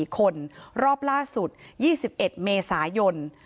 ๔คนรอบล่าสุด๒๑เมษายน